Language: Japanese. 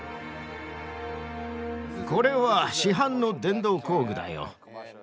これは市販の電動工具だよ。